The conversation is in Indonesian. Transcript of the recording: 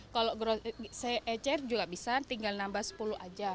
kalau saya ecer juga bisa tinggal nambah sepuluh aja